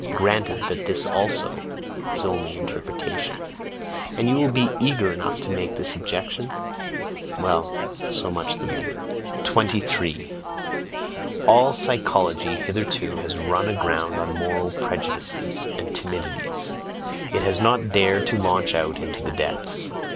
Granted that this also is only interpretation and you will be eager enough to make this objection? well, so much the better. 23. All psychology hitherto has run aground on moral prejudices and timidities, it has not dared to launch out into the depths.